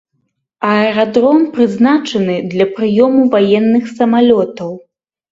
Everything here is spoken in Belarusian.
Аэрадром прызначаны для прыёму ваенных самалётаў.